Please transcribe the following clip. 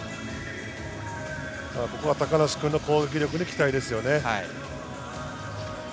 ここは高梨君の攻撃力に期待ですよね。